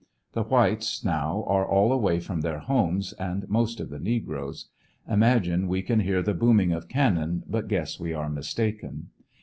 The whites now are all away from their homes and most of the negroes. ImaLine we can hear the booming of cannon, but guess we are mistaken.